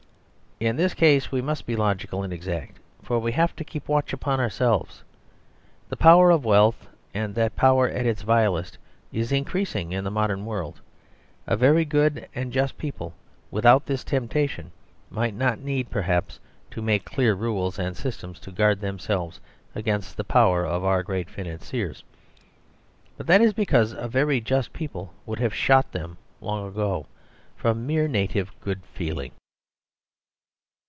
In this case we must be logical and exact; for we have to keep watch upon ourselves. The power of wealth, and that power at its vilest, is increasing in the modern world. A very good and just people, without this temptation, might not need, perhaps, to make clear rules and systems to guard themselves against the power of our great financiers. But that is because a very just people would have shot them long ago, from mere native good feeling.